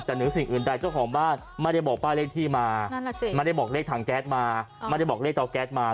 แต่เหนือสิ่งอื่นใดเจ้าของบ้านไม่ได้บอกป้ายเลขที่มาไม่ได้บอกเลขถังแก๊สมาไม่ได้บอกเลขเตาแก๊สมา